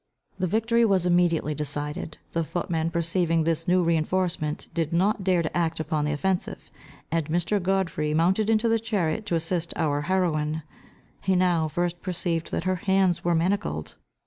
The victory was immediately decided. The footman perceiving this new reinforcement, did not dare to act upon the offensive, and Mr. Godfrey mounted into the chariot to assist our heroine. He now first perceived that her hands were manacled.